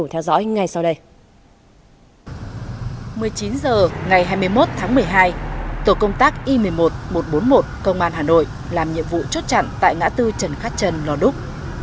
một mươi chín h ngày hai mươi một tháng một mươi hai tổ công tác y một mươi một một trăm bốn mươi một công an hà nội làm nhiệm vụ chốt chặn tại ngã tư trần khát trân lò đúc